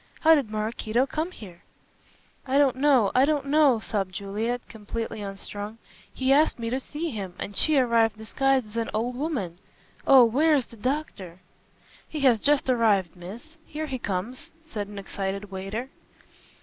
How did Maraquito come here?" "I don't know I don't know," sobbed Juliet, completely unstrung; "he asked me to see him, and she arrived disguised as an old woman. Oh, where is the doctor!" "He has just arrived, miss. Here he comes," said an excited waiter.